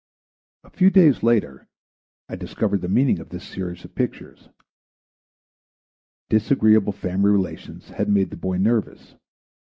A few days later I discovered the meaning of this series of pictures. Disagreeable family relations had made the boy nervous.